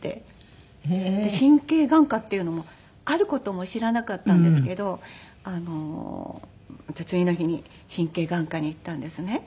神経眼科っていうのもある事も知らなかったんですけどまた次の日に神経眼科に行ったんですね。